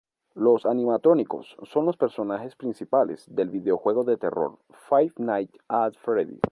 Los animatrónicos son los personajes principales del videojuego de terror: Five Nights at Freddy's.